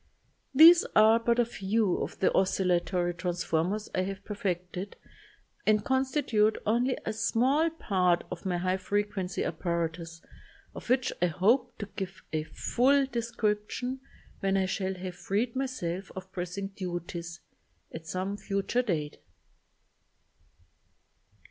These are but a few of the oscillatory transformers I have perfected and consti tute only a small part of my high frequency apparatus of which I hope to give a full description, when I shall have freed myself of pressing duties, at some future date.